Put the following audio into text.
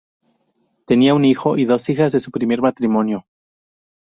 Tenía un hijo y dos hijas de su primer matrimonio.